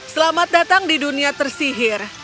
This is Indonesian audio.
selamat datang di dunia tersihir